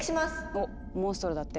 おっモンストロだって。